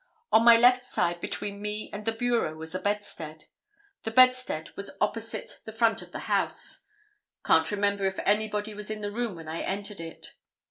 On my left side between me and the bureau was a bedstead; the bedstead was opposite the front of the house; can't remember if anybody was in the room when I entered it.